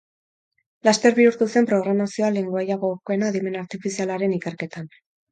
Laster bihurtu zen programazioa lengoaia gogokoena adimen artifizialaren ikerketan.